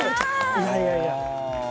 いやいやいや。